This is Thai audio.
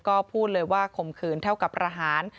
ก็พูดเลยว่าข่มขืนเท่ากับประหาร